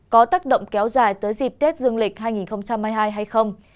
có tác động kéo dài tới dịp tết dương lịch hai nghìn hai mươi hai hay không